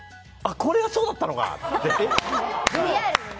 これがそうだったのか！